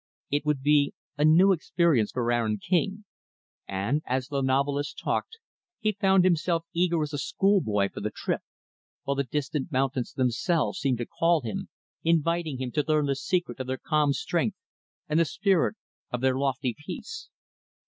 It would be a new experience for Aaron King; and, as the novelist talked, he found himself eager as a schoolboy for the trip; while the distant mountains, themselves, seemed to call him inviting him to learn the secret of their calm strength and the spirit of their lofty peace.